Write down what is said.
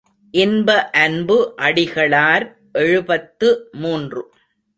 இன்ப அன்பு அடிகளார் எழுபத்து மூன்று.